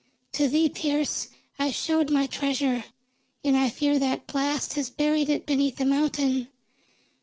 "To thee, Pearse, I showed my treasure, and I fear that blast has buried it beneath a mountain.